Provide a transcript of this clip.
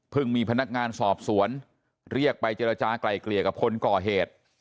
มีพนักงานสอบสวนเรียกไปเจรจากลายเกลี่ยกับคนก่อเหตุ